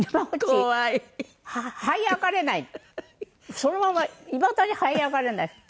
そのままいまだに這い上がれなくて。